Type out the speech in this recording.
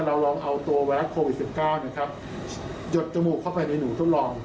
เราลองเอาตัวแวล็กโควิด๑๙หยดจมูกเข้าไปในหนูทดลอง